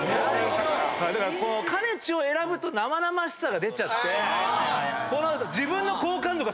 だからかねちを選ぶと生々しさが出ちゃって。